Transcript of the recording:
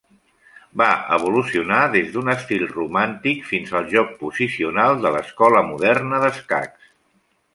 Va evolucionar des d'un estil romàntic fins al joc posicional de l'Escola moderna d'escacs.